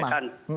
apakah pasti sama